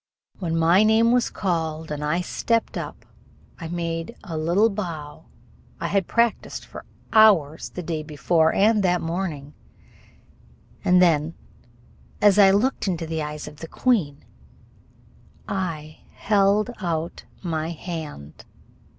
When my name was called and I stepped up, I made the little bow I had practised for hours the day before and that morning; and then, as I looked into the eyes of the queen, I held out my hand!